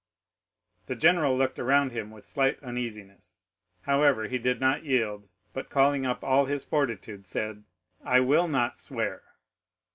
The general looked around him with slight uneasiness; however he did not yield, but calling up all his fortitude, said,—"I will not swear."